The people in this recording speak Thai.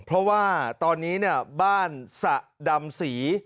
เพราะว่าตอนนี้เนี่ยบ้านสะดำศรี